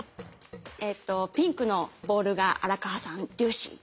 えっとピンクのボールが荒川さん粒子。